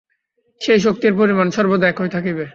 সেই শক্তির পরিমাণ সর্বদা একই থাকিবে।